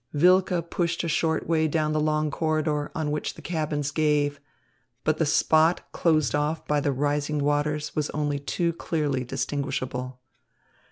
Wilke pushed a short way down the long corridor, on which the cabins gave. But the spot closed off by the rising waters was only too clearly distinguishable.